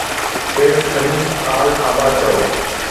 کيس خميس آل ابا چئو